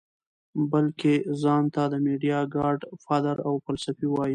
بلکه ځان ته د ميډيا ګاډ فادر او فلسفي وائي -